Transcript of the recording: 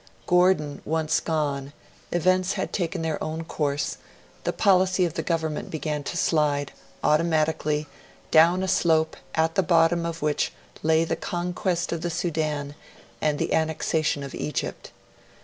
Gordon once gone, events had taken their own course; the policy of the Government began to slide, automatically, down a slope at the bottom of which lay the conquest of the Sudan and the annexation of Egypt.